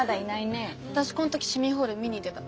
私こん時市民ホール見に行ってた。